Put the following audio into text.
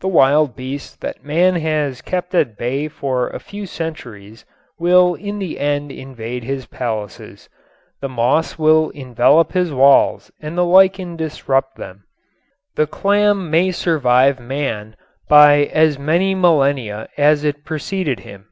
The wild beasts that man has kept at bay for a few centuries will in the end invade his palaces: the moss will envelop his walls and the lichen disrupt them. The clam may survive man by as many millennia as it preceded him.